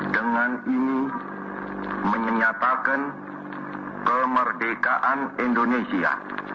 dengan ini menyatakan kemerdekaan indonesia